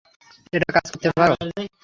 এটা কাজ করতে পারে।